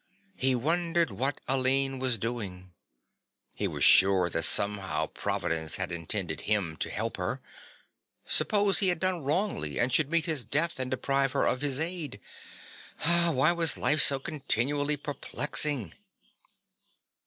He wondered what Aline was doing. He was sure that somehow Providence had intended him to help her. Suppose he had done wrongly and should meet his death and deprive her of his aid! Why was life so continually perplexing?